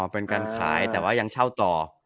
เป็นการขายแต่ว่ายังเช่าต่อ